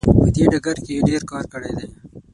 په دې ډګر کې یې ډیر کار کړی دی.